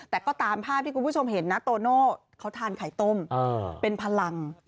แต่ก็ตามภาพที่คุณผู้ชมเห็นนะโตโน่เขาทานไข่ต้มเป็นพลัง